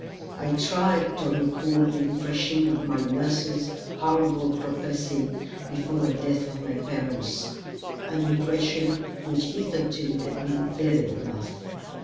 I tried to recall the impression of my nurse's horrible prophecy before the death of my parents an impression which hitherto had been vivid enough.